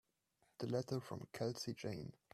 The letter from Kelsey Jane.